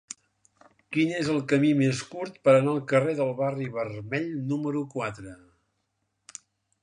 Quin és el camí més curt per anar al carrer del Barri Vermell número quatre?